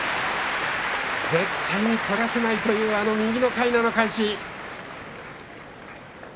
絶対に取らせないという右のかいなの返し。